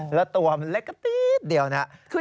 แล้วตัวมันเล็กก็ตี๊ดเดียวนะครับ